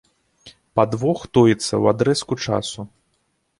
Падвох тоіцца ў адрэзку часу.